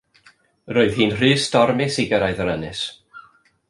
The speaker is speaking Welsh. Roedd hi'n rhy stormus i gyrraedd yr ynys.